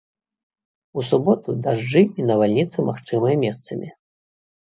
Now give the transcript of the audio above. У суботу дажджы і навальніцы магчымыя месцамі.